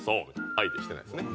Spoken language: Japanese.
相手にしてないですね。